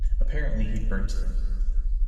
Apparently he burnt them.